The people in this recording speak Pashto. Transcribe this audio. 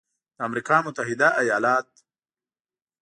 د امریکا متحده ایالات